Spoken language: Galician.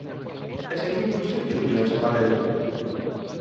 E seguimos sen chuvias, Mabel?